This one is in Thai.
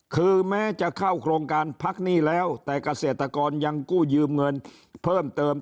คือแม้จะเข้าโครงการพักหนี้แล้วแต่เกษตรกรยังกู้ยืมเงินเพิ่มเติม